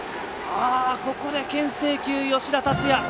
ここでけん制球、吉田達也。